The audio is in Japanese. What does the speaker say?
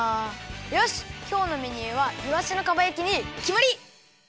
よしきょうのメニューはいわしのかば焼きにきまり！